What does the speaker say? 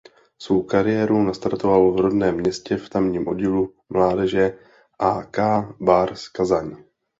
Svou kariéru nastartoval v rodném městě v tamním oddílu mládeže Ak Bars Kazaň.